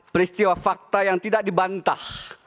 peristiwa fakta yang tidak dibantah